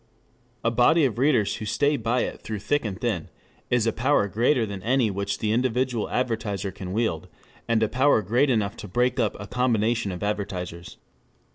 _] A body of readers who stay by it through thick and thin is a power greater than any which the individual advertiser can wield, and a power great enough to break up a combination of advertisers.